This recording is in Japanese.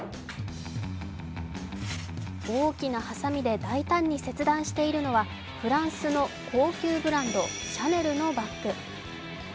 大きなはさみで大胆に切断しているのはフランスの高級ブランド、シャネルのバッグ。